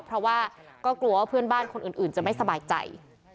เพราะว่าก็กลัวว่าเพื่อนบ้านคนอื่นจะไม่สบายใจ